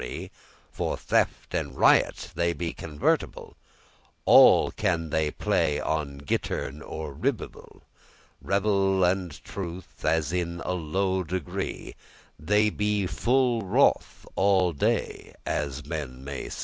*although For theft and riot they be convertible, All can they play on *gitern or ribible.* *guitar or rebeck* Revel and truth, as in a low degree, They be full wroth* all day, as men may see.